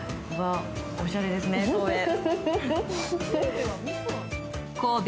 おしゃれですね、神戸。